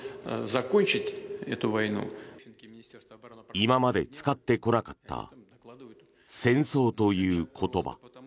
今まで使ってこなかった戦争という言葉。